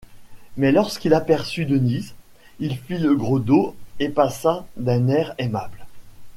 Mais, lorsqu'il aperçut Denise, il fit le gros dos et passa d'un air aimable.